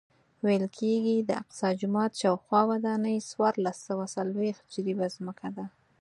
ویل کېږي د اقصی جومات شاوخوا ودانۍ څوارلس سوه څلوېښت جریبه ځمکه ده.